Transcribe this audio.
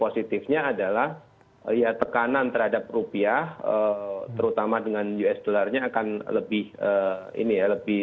positifnya adalah ya tekanan terhadap rupiah terutama dengan us dollarnya akan lebih ini ya lebih